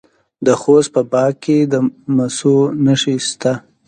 د خوست په باک کې د مسو نښې شته.